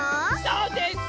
そうです。